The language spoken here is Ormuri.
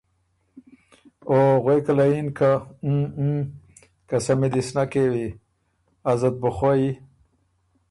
او غوېکه له یِن که اُوں ــ اُوں ــ قسَمّی دی سو نک کېوی، ازه ت بُو خوئ